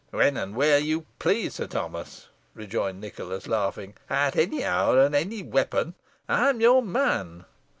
"When and where you please, Sir Thomas," rejoined Nicholas, laughing. "At any hour, and at any weapon, I am your man."